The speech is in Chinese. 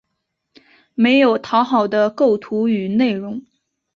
没有讨好的构图与内容